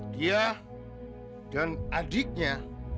dia dan adiknya